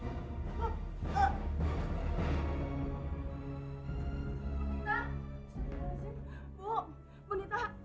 ya allah bu nita